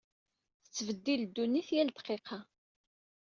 Tettbeddil ddunit yal dqiqa.